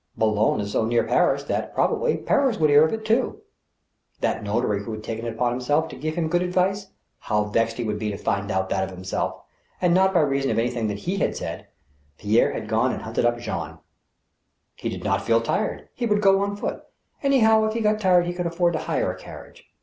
Boulogne is so near Paris that, probably, Paris would hear of it too. That notary who had taken it upon himself to give him good ad vice, how vexed he would be to find out that of himself, and not by reason of anything that he had said, Pierre had gone and hunted up Jean! He did not feel tired. He would go on foot. Anyhow, if he got tired he could afford to hire a carriage.